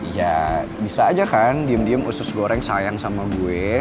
ya bisa aja kan diem diem usus goreng sayang sama gue